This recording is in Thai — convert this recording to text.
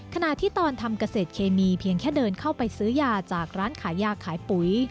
ขณะที่ตอนทำเกษตรเคมีเพียงแค่เดินเข้าไปซื้อยาจากร้านขายยาขายปุ๋ย